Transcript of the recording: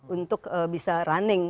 untuk bisa running